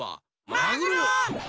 マグロ！